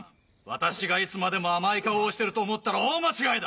私がいつまでも甘い顔をしてると思ったら大間違いだ！